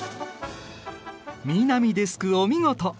南デスクお見事！